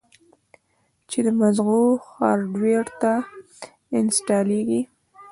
چې د مزغو هارډوئېر ته انسټاليږي